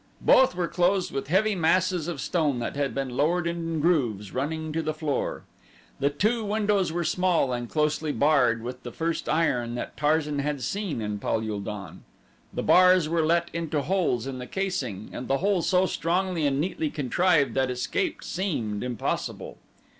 Both were closed with heavy masses of stone that had been lowered in grooves running to the floor. The two windows were small and closely barred with the first iron that Tarzan had seen in Pal ul don. The bars were let into holes in the casing, and the whole so strongly and neatly contrived that escape seemed impossible.